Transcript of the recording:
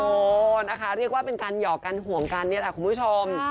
โอ้นะคะเรียกว่าเป็นการหยอกกันห่วงกันนี่แหละคุณผู้ชม